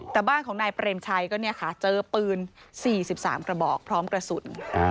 แต่บ้านของนายเปรมชัยก็เนี่ยค่ะเจอปืน๔๓กระบอกพร้อมกระสุน